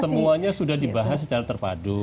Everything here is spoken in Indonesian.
semuanya sudah dibahas secara terpadu